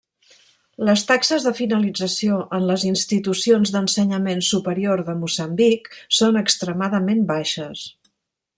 Les taxes de finalització en les institucions d'ensenyament superior de Moçambic són extremadament baixes.